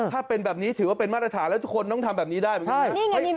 ถ้าเป็นแบบนี้ถือว่าเป็นมาตรฐานแล้วทุกคนต้องทำแบบนี้ได้ไหม